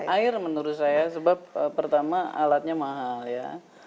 air menurut saya sebab pertama alatnya mahal ya